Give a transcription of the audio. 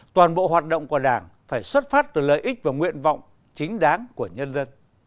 toàn bộ hoạt động của đảng phải xuất phát từ lợi ích và nguyện vọng chính đáng của nhân dân